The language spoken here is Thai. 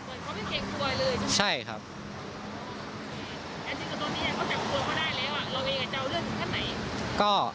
ก็ตอนนี้ก็จับครัวเข้าได้เลยว่ะเราวิ่งกับเจ้าเรื่องถึงขั้นไหน